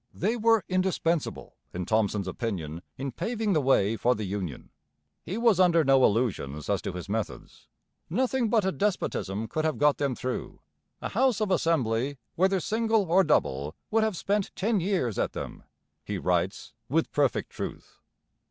They were indispensable, in Thomson's opinion, in paving the way for the Union. He was under no illusions as to his methods. 'Nothing but a despotism could have got them through. A House of Assembly, whether single or double, would have spent ten years at them,' he writes, with perfect truth.